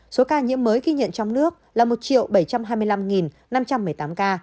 số ca nhiễm mới ghi nhận trong nước là một bảy trăm hai mươi năm năm trăm một mươi tám ca